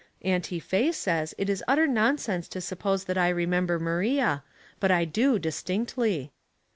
Auntie Faye says it is utter nonsense to suppose that I remember Maria, but I do distinctly.